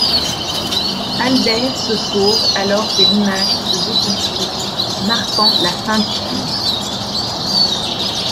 Albert se sauve alors que l'image se déconstruit, marquant la fin du film.